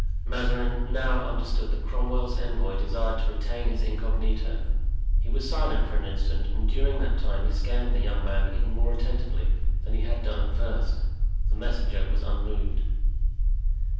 Mazarin now understood that Cromwell's envoy desired to retain his incognito. He was silent for an instant, and during that time he scanned the young man even more attentively than he had done at first. The messenger was unmoved.